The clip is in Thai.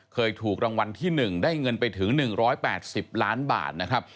เคยถูกรางวัลที่๑ได้เงินไปถึง๑๘๐ล้านบาทนะครับ